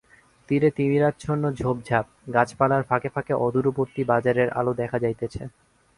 তীরে তিমিরাচ্ছন্ন ঝোপঝাপ-গাছপালার ফাঁকে ফাঁকে অদূরবর্তী বাজারের আলো দেখা যাইতেছে।